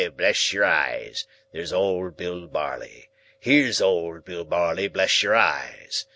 Bless your eyes, here's old Bill Barley. Here's old Bill Barley, bless your eyes.